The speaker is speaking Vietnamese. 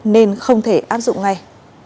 nên không thể áp dụng ngay